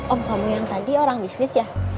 oh kamu yang tadi orang bisnis ya